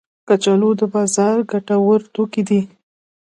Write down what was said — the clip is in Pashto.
کچالو د بازار د ګټه ور توکي دي